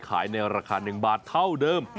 ในราคา๑บาทเท่าเดิม